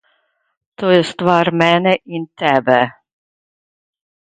To je stvar mene in tebe.